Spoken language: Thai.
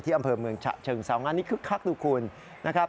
อำเภอเมืองฉะเชิงเซางานนี้คึกคักดูคุณนะครับ